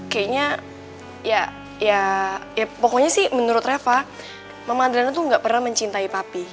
kayaknya ya ya ya pokoknya sih menurut reva mama adriana itu nggak pernah mencintai papi